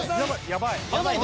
やばい。